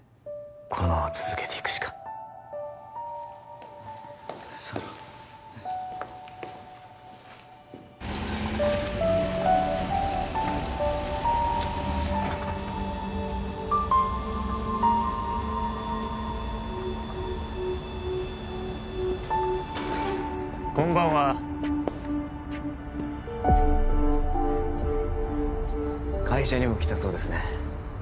もうこのまま続けていくしかさあこんばんは会社にも来たそうですね